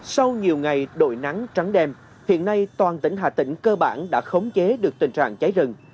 sau nhiều ngày đội nắng trắng đêm hiện nay toàn tỉnh hà tĩnh cơ bản đã khống chế được tình trạng cháy rừng